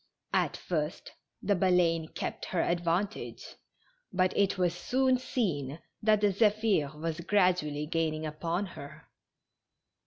At first the Baleine kept her advantage, but it was soon seen that the Zephir was gradually gaining upon her.